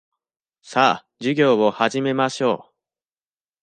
さあ、授業を始めましょう。